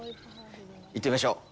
行ってみましょう。